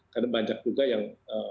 karena banyak juga yang